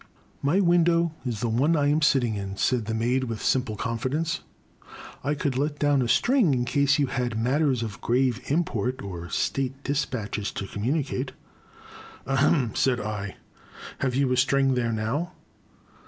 ''*' My window is the one I am sitting in," said the maid with simple confidence, I could let down a string in case you had matters of grave import or state despatches to communicate/' Ahem !" said I, '* have you a string there now?"